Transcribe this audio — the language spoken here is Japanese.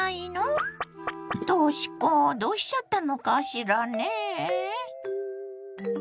とし子どうしちゃったのかしらねえ？